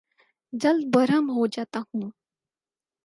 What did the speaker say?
جلد برہم ہو جاتا ہوں